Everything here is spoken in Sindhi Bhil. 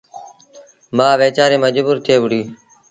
مآ ويچآريٚ مجبور ٿئي وهُڙيٚ